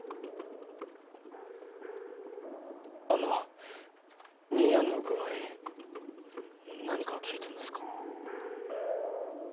あの兄やんの具合何か聞いてますか？